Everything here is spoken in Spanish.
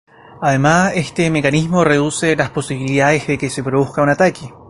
Además, este mecanismo reduce las posibilidades de que se produzca un ataque.